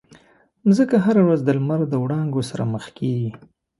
مځکه هره ورځ د لمر د وړانګو سره مخ کېږي.